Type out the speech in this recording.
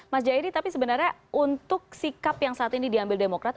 mas jayadi tapi sebenarnya untuk sikap yang saat ini diambil demokrat